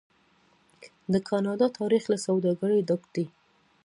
د کاناډا تاریخ له سوداګرۍ ډک دی.